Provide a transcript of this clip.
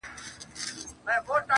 اشنا پوښتني ته مي راسه٫